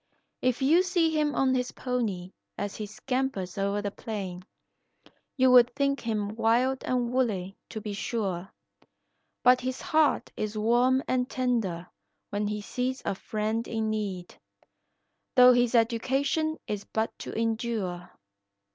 If you see him on his pony as he scampers o'er the plain, You would think him wild and woolly, to be sure; But his heart is warm and tender when he sees a friend in need, Though his education is but to endure.